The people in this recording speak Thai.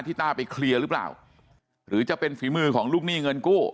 ต้าไปเคลียร์หรือเปล่าหรือจะเป็นฝีมือของลูกหนี้เงินกู้